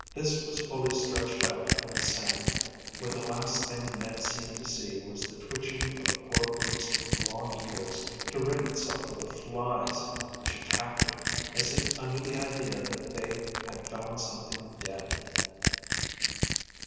This was fully stretched out in the sand, where the last thing Ned seemed to see was the twitching of the poor brute's long ears to rid itself of the flies which attacked it as if under the idea that they had found something dead.